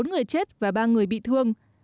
bốn người chết và ba người bị thương